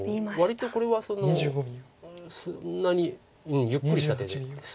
割とこれはそんなにゆっくりした手です。